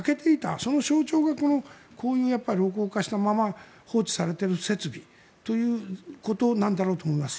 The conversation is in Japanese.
その象徴が老朽化したまま放置されている設備ということなんだろうと思います。